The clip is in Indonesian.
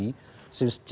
sejatinya politik jenisnya